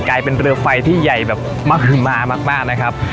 กลายเป็นเรือไฟที่ใหญ่แบบมหือมามากนะครับ